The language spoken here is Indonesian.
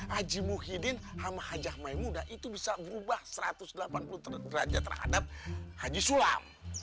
haji muhyiddin hama hajah maimuda itu bisa berubah satu ratus delapan puluh derajat terhadap haji sulam